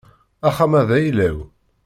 Axxam-a d ayla-w.